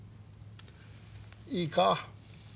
いいか？